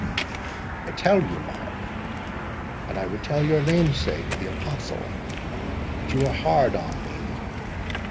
"I tell you, Mark, and I would tell your namesake the apostle, that you are hard on me.